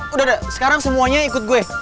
udah sekarang semuanya ikut gue